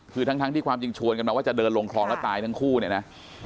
คือทั้งที่ความจริงชวนกันมาว่าจะเดินลงคลองแล้วตายทั้งคู่เนี่ยนะ